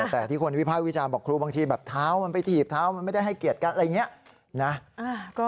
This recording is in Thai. แต่ที่คนวิภาควิจารณ์บอกครูบางทีแบบเท้ามันไปถีบเท้ามันไม่ได้ให้เกียรติกันอะไรอย่างนี้นะ